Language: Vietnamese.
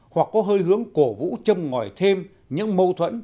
hoặc có hơi hướng cổ vũ châm ngòi thêm những mâu thuẫn